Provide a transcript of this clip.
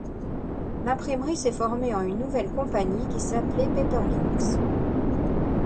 L'imprimerie s'est formée en une nouvelle compagnie, qui s'appelait Paperlinx.